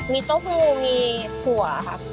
มีเต้าหู้มีถั่วครับ